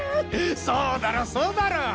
そうだろそうだろ？